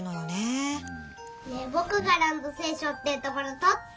ねえぼくがランドセルしょってるところとって。